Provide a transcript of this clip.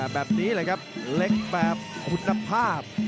แบบนี้เลยครับเล็กแบบคุณภาพ